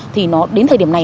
thì nó đến thời điểm này